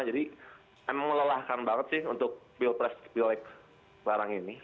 jadi memang melelahkan banget sih untuk pilpres pilek barang ini